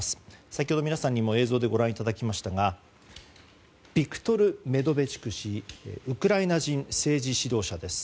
先ほど皆さんにも映像でご覧いただきましたがビクトル・メドベチュク氏ウクライナ人政治指導者です。